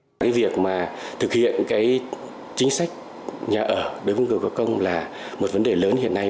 cái việc mà thực hiện cái chính sách nhà ở đối với người có công là một vấn đề lớn hiện nay